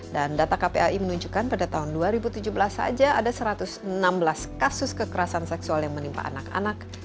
dan data kpai menunjukkan pada tahun dua ribu tujuh belas saja ada satu ratus enam belas kasus kekerasan seksual yang menimpa anak anak